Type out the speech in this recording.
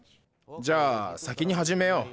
じゃあ先にはじめよう。